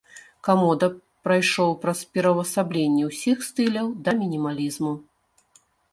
Камода прайшоў праз пераўвасабленне ўсіх стыляў да мінімалізму.